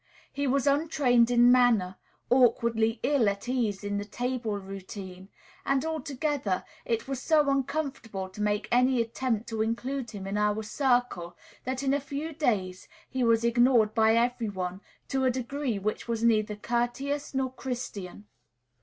He was untrained in manner, awkwardly ill at ease in the table routine; and, altogether, it was so uncomfortable to make any attempt to include him in our circle that in a few days he was ignored by every one, to a degree which was neither courteous nor Christian.